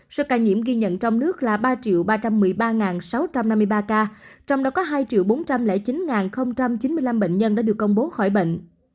số ca nhiễm ghi nhận trong nước là ba ba trăm một mươi ba sáu trăm năm mươi ba ca trong đó có hai bốn trăm linh chín chín mươi năm bệnh nhân đã được công bố khỏi bệnh